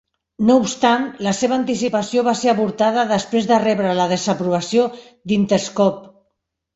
No obstant, la seva anticipació va ser avortada després de rebre la desaprovació d'Interscope.